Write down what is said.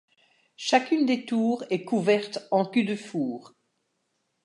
Chacune des tours est couverte en cul-de-four.